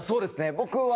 僕は。